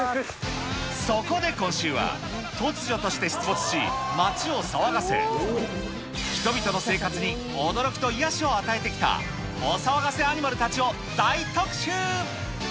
そこで今週は、突如として出没し、街を騒がせ、人々の生活に驚きと癒やしを与えてきたお騒がせアニマルたちを大特集。